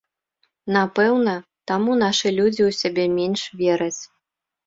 Напэўна, таму нашыя людзі ў сябе менш вераць.